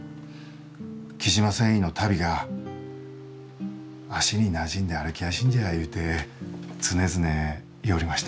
雉真繊維の足袋が足になじんで歩きやしんじゃいうて常々言ようりました。